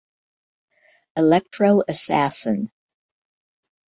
Electro Assassin